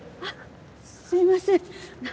あっすいません。